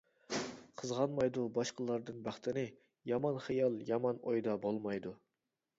قىزغانمايدۇ باشقىلاردىن بەختىنى، يامان خىيال، يامان ئويدا بولمايدۇ.